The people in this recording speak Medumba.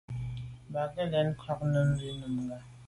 Bə̀k à' lɛ̌n kwāh nʉ́nʉ̄ cúp bú Nùngà.